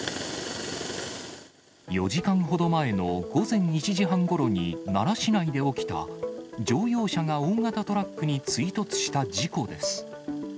４時間ほど前の午前１時半ごろに、奈良市内で起きた乗用車が大型トラックに追突した事故です。